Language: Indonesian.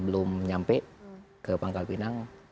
belum nyampe ke pangkal pinang